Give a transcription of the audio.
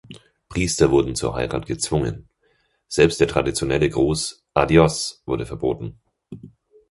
Priester wurden zur Heirat gezwungen; selbst der traditionelle Gruß "adios" wurde verboten.